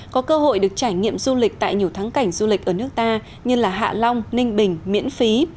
có cơ hội được trải nghiệm du lịch tại nhiều thắng cảnh du lịch ở nước ta như hạ long ninh bình miễn phí